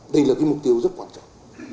đây là cái mục tiêu rất quan trọng